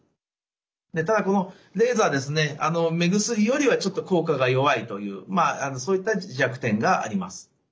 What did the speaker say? でただこのレーザーですね目薬よりはちょっと効果が弱いというそういった弱点があります。